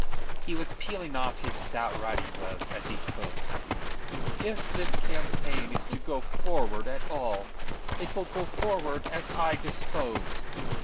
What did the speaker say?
He was peeling off his stout riding gloves as he spoke. "If this campaign is to go forward at all, it will go forward as I dispose.